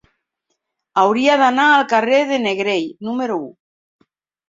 Hauria d'anar al carrer de Negrell número u.